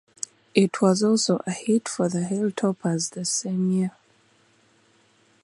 It was also a hit for The Hilltoppers the same year.